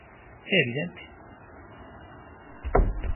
E evidente.